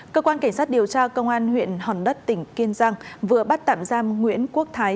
cơ quan cảnh sát điều tra công an huyện hòn đất tỉnh kiên giang vừa bắt tạm giam nguyễn quốc thái